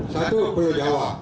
satu pulau jawa